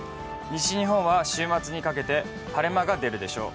西日本は週末にかけて、晴れ間が出るでしょう。